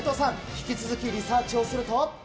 引き続きリサーチをすると。